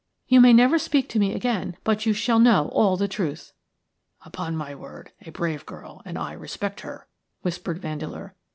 You may never speak to me again, but you shall know all the truth." "Upon my word, a brave girl, and I respect her," whispered Vandeleur.